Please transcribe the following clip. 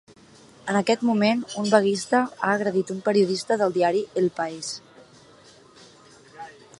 En aquest moment, un vaguista ha agredit un periodista del diari ‘El País’.